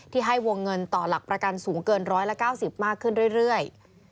ให้วงเงินต่อหลักประกันสูงเกิน๑๙๐มากขึ้นเรื่อย